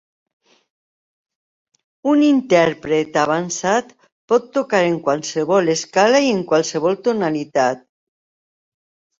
Un intèrpret avançat pot tocar en qualsevol escala i en qualsevol tonalitat.